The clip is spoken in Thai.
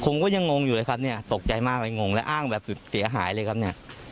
ผมก็ยังงงอยู่เลยครับเนี่ยตกใจมากเลยงงแล้วอ้างแบบสุดเสียหายเลยครับเนี่ย